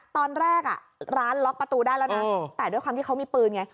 ตอนแรกร้านล็อกประตูได้แล้วนะแต่ด้วยความที่เขามีปืนไง